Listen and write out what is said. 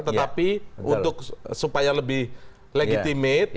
tetapi supaya lebih legitimit